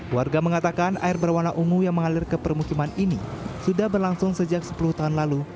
warga mengatakan air berwarna ungu yang mengalir ke permukiman ini sudah berlangsung sejak sepuluh tahun lalu